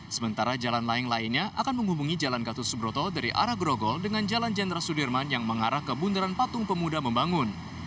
sementara jalan layang lainnya akan menghubungi jalan gatus subroto dari arah grogol dengan jalan jenderal sudirman yang mengarah ke bundaran patung pemuda membangun